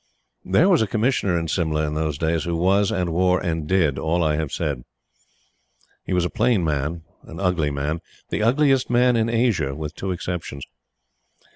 There was a Commissioner in Simla, in those days, who was, and wore, and did, all I have said. He was a plain man an ugly man the ugliest man in Asia, with two exceptions.